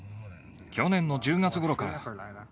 去年の１０月ごろから。